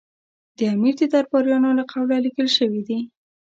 د امیر د درباریانو له قوله لیکل شوي دي.